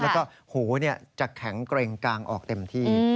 แล้วก็หูจะแข็งเกร็งกางออกเต็มที่